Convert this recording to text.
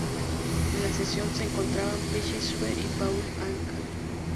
En la sesión se encontraban Peggy Sue y Paul Anka.